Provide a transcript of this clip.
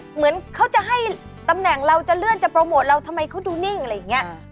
เหมือนเขาจะให้ตำแหน่งเราจะเลื่อนจะโปรโมทเราทำไมเขาดูนิ่งอะไรอย่างนี้